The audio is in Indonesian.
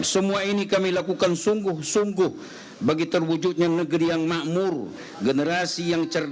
silakan pak kiai